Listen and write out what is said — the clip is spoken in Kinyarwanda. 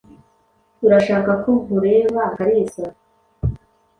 Urashaka ko nkureba Kalisa?